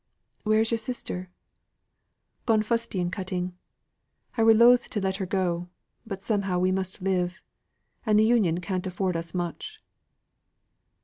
"Where is your sister?" "Gone fustian cutting. I were loth to let her go; but somehow we must live; and th' Union can't afford us much."